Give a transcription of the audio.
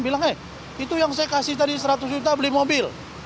bilang eh itu yang saya kasih tadi seratus juta beli mobil